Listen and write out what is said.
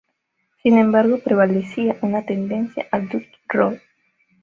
Sin embargo, prevalecía una tendencia al "dutch roll".